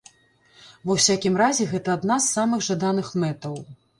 Ва усякім разе, гэта адна з самых жаданых мэтаў.